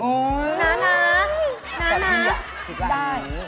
แต่พี่คิดออกอันนี้